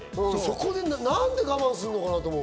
そこでなんで我慢するのかな？って思う。